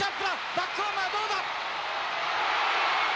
バックホームはどうだ！